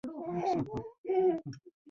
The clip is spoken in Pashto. دا ارګانیزمونه ډېر کوچنی جسامت لري.